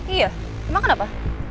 iya emang kenapa